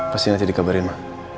pasti nanti dikabarin ma